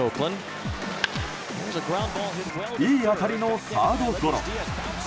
いい当たりのサードゴロ。